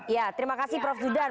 ya terima kasih prof zudan